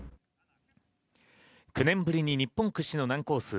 ９年ぶりに日本屈指の難コース